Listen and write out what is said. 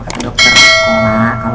kata dokter di sekolah